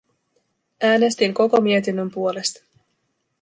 Äänestin koko mietinnön puolesta.